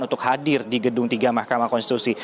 untuk hadir di gedung tiga mahkamah konstitusi